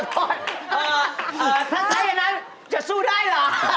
ใช้อันนั้นจะสู้ได้เหรอ